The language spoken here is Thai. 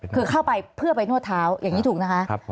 คือเข้าไปเพื่อไปนวดเท้าอย่างนี้ถูกนะคะ